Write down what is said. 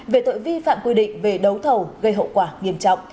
về tội vi phạm quy định về đấu thầu gây hậu quả nghiêm trọng